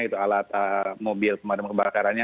itu alat mobil pemadam kebakarannya